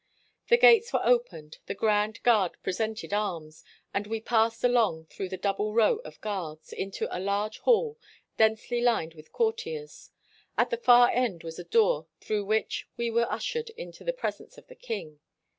The gates were opened, the grand guard presented arms, and we passed along through the double row of guards, into a large hall, densely lined with courtiers. At the far end was a door, through which we were ushered into the presence of the king.